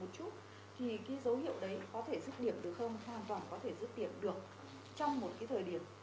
một chút thì cái dấu hiệu đấy có thể dứt điểm được không hoàn toàn có thể dứt điểm được trong một cái thời điểm